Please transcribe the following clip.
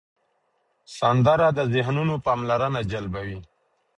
سندره د ذهنونو پاملرنه جلبوي